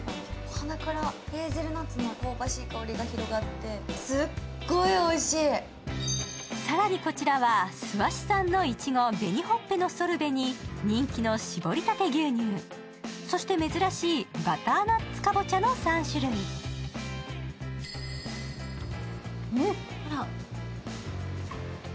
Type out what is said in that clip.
鼻からヘーゼルナッツの香ばしい香りが広がってすっごいおいしいさらにこちらは諏訪市産のいちご紅ほっぺのソルベに人気のしぼりたて牛乳そして珍しいバターナッツかぼちゃの３種類うん！